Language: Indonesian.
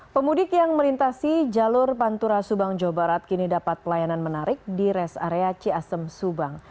pemudik yang melintasi jalur pantura subang jawa barat kini dapat pelayanan menarik di res area ciasem subang